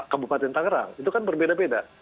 kabupaten tangerang itu kan berbeda beda